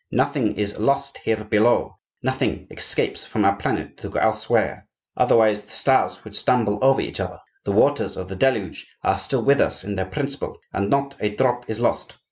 Nothing is lost here below; nothing escapes from our planet to go elsewhere,—otherwise the stars would stumble over each other; the waters of the deluge are still with us in their principle, and not a drop is lost.